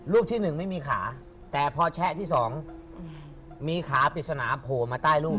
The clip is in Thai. รูปที่๑ไม่มีขาแต่พอแช่ที่๒มีขาปริสนะโผน่าใต้รูป